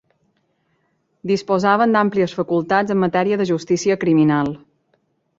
Disposaven d'àmplies facultats en matèria de justícia criminal.